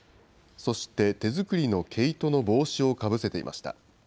そして、手作りの毛糸の帽子をかぶせていました。